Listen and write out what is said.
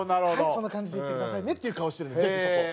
「その感じでいってくださいね」っていう顔をしてるんでぜひそこを。